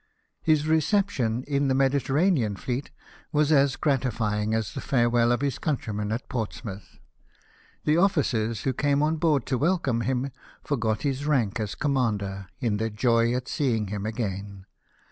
His reception in the Mediterranean fleet was as gratifying as the farewell of his countrymen at Portsmouth ; the oflicers, who came on board to welcome him, forgot his rank as commander, in their joy at seeing him again.